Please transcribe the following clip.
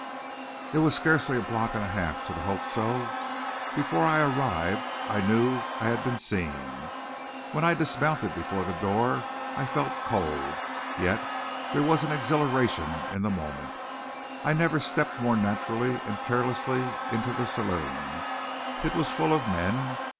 It was scarcely a block and a half to the Hope So. Before I arrived I knew I had been seen. When I dismounted before the door I felt cold, yet there was an exhilaration in the moment. I never stepped more naturally and carelessly into the saloon. It was full of men.